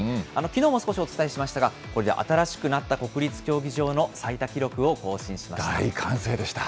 きのうも少しお伝えしましたが、これで新しくなった国立競技場の最多記録を更新しました。